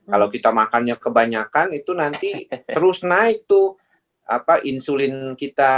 kalau kita makannya kebanyakan itu nanti terus naik tuh insulin kita